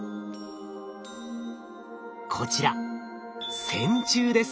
こちら線虫です。